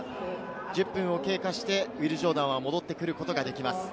１０分を経過して、ウィル・ジョーダンは戻ってくることができます。